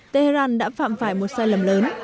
tehran đã phạm phải một sai lầm lớn